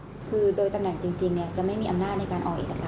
คือโดยตำแหน่งจริงจะไม่มีอำนาจในการออกเอกสาร